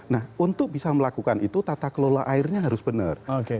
nah untuk bisa melakukan itu tata kelola airnya harus benar